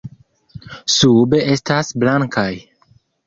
Sube estas blankaj.